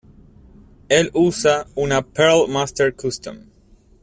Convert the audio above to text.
Él usa una Pearl Masters Custom.